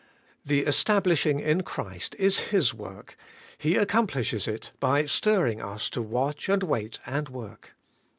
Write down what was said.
The establishing in Christ is His work: He accomplishes it by stirring us to watch, and wait, and work.